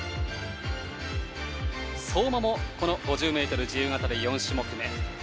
相馬も５０ｍ自由形で４種目め。